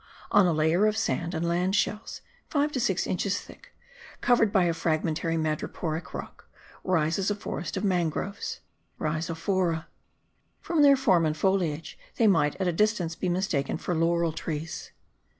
On a layer of sand and land shells, five to six inches thick, covered by a fragmentary madreporic rock, rises a forest of mangroves (Rhizophora). From their form and foliage they might at a distance be mistaken for laurel trees.